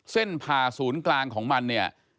ผ่าศูนย์กลางของมันเนี่ย